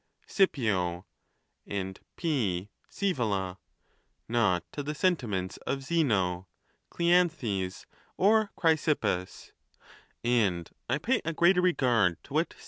Scipio, and P. Scse vola ; not to the sentiments of Zeno, Cleanthes, or Chrysip pus ; and I pay a greater regard to what C.